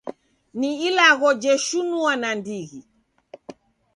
Ni ilagho jeshinua nandighi.